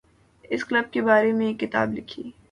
اس club کے بارے میں ایک کتاب لکھی